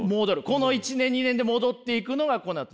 この１年２年で戻っていくのがコナトゥス。